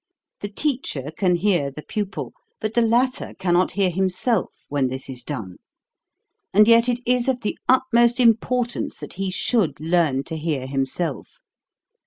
The teacher can hear the pupil, but the latter cannot hear himself, when this is done; and yet it is of the utmost importance that he should learn to hear himself.